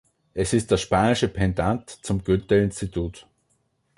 Es ist das spanische Pendant zum Goethe-Institut.